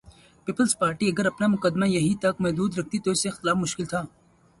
Peoples Party اگر اپنا مقدمہ یہیں تک محدود رکھتی تو اس سے اختلاف مشکل تھا۔